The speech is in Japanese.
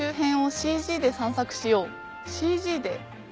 ＣＧで？